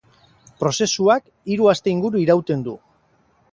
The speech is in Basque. Prozesuak hiru aste inguru irauten du.